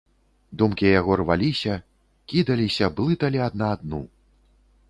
Думкі яго рваліся, кідаліся, блыталі адна адну.